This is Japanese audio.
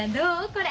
これ。